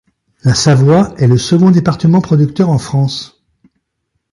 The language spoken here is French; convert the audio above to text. La Savoie est le second département producteur en France.